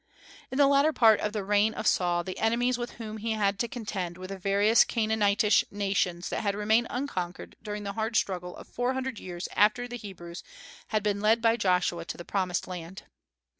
In the latter part of the reign of Saul the enemies with whom he had to contend were the various Canaanitish nations that had remained unconquered during the hard struggle of four hundred years after the Hebrews had been led by Joshua to the promised land.